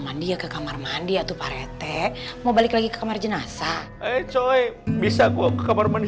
mandi ke kamar mandi atau pak rt mau balik lagi ke kamar jenazah coy bisa gua ke kamar mandi